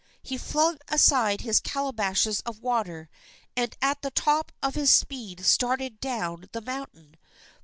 He flung aside his calabashes of water, and at the top of his speed started down the mountain.